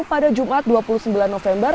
pada jumat dua puluh sembilan november